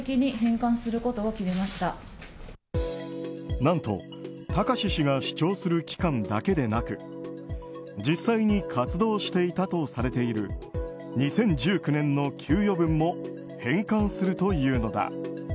何と、貴志氏が主張する期間だけでなく実際に活動していたとされている２０１９年の給与分も返還するというのだ。